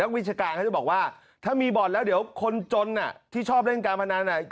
นักวิชากาศจะบอกว่า